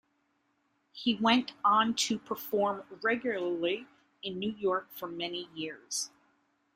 He went on to perform regularly in New York for many years.